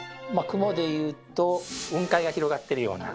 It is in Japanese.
雲で言うと雲海が広がってるような